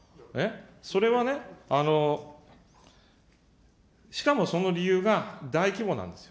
それはね、しかもその理由が、大規模なんですよ。